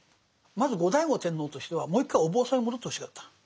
まず後醍醐天皇としてはもう一回お坊さんに戻ってほしかった。